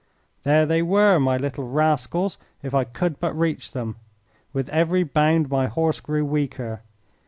There they were, my little rascals, if I could but reach them. With every bound my horse grew weaker.